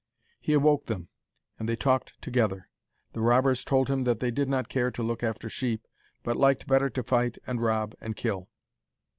He awoke them, and they talked together. The robbers told him that they did not care to look after sheep, but liked better to fight and rob and kill.